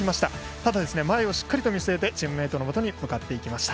ただ、前をしっかり見据えてチームメートのもとに向かっていきました。